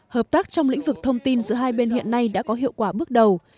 hợp tác trong lĩnh vực thông tin giữa hai bên hiện nay đã có hiệu quả bước đầu